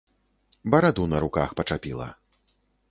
Бараду на руках пачапіла.